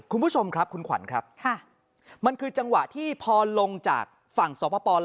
คุณผู้ชมครับคุณขวัญครับค่ะมันคือจังหวะที่พอลงจากฝั่งสปลาว